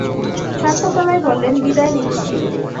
শান্ত গলায় বললেন, বিদায় নিচ্ছি।